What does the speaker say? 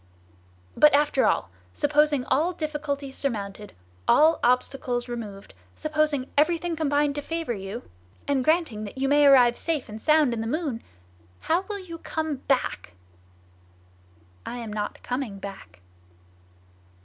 "But after all, supposing all difficulties surmounted, all obstacles removed, supposing everything combined to favor you, and granting that you may arrive safe and sound in the moon, how will you come back?" "I am not coming back!"